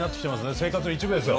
生活の一部ですよ。